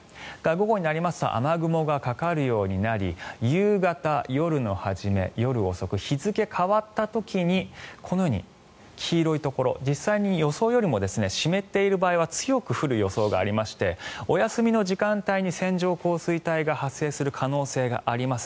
午後になりますと、雨雲がかかるようになり夕方、夜の始め、夜遅く日付が変わった時にこのように黄色いところ実際に予想よりも湿っている場合は強く降る予想がありましてお休みの時間帯に線状降水帯が発生する可能性があります。